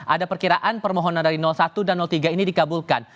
ada perkiraan permohonan dari satu dan tiga ini dikabulkan